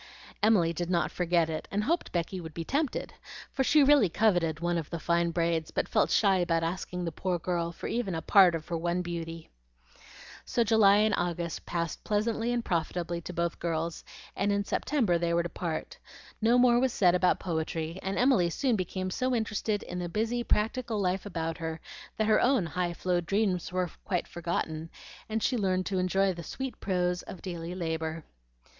Emily did not forget it, and hoped Becky would be tempted, for she really coveted one of the fine braids, but felt shy about asking the poor girl for even a part of her one beauty. So July and August passed pleasantly and profitably to both girls, and in September they were to part. No more was said about poetry; and Emily soon became so interested in the busy, practical life about her that her own high flown dreams were quite forgotten, and she learned to enjoy the sweet prose of daily labor.